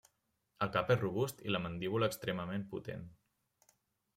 El cap és robust i la mandíbula extremament potent.